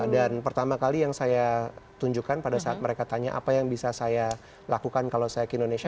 dan pertama kali yang saya tunjukkan pada saat mereka tanya apa yang bisa saya lakukan kalau saya ke indonesia